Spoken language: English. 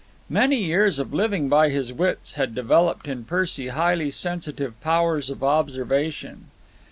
Many years of living by his wits had developed in Percy highly sensitive powers of observation.